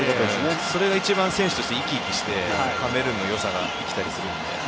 それが一番選手として生き生きしてカメルーンの良さだったりするので。